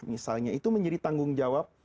misalnya itu menjadi tanggung jawab